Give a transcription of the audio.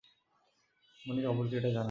বনি কাপুর কি এটা জানে?